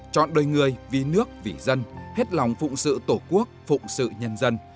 chọn đời người vì nước vì dân hết lòng phụng sự tổ quốc phụng sự nhân dân